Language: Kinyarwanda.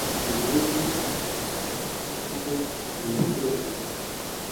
igihugu nkiza mubintu byose